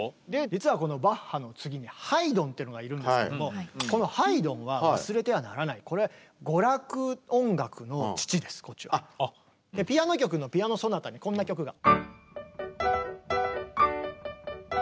実はこのバッハの次にハイドンってのがいるんですけどもこのハイドンは忘れてはならないピアノ曲の「ピアノ・ソナタ」にこんな曲が。